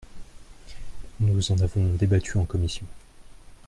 Nous en avons débattu en commission.